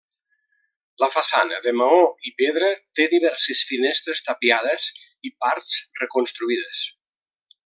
La façana de maó i pedra té diverses finestres tapiades i parts reconstruïdes.